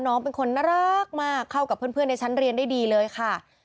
น้องเป็นคนน่ารักมากเข้ากับเพื่อนในชั้นเรียนได้ดีเลยค่ะ